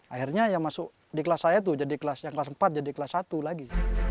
akhirnya yang masuk di kelas saya tuh jadi kelas yang kelas empat jadi kelas satu lagi